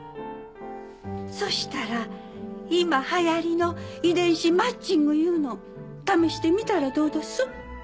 そしたら今流行りの遺伝子マッチングいうの試してみたらどうです？